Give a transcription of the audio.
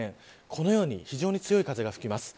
このように非常に強い風が吹きます。